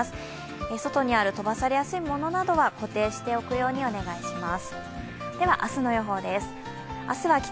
外にある飛ばされやすいものなどは、固定しておくようにお願いします。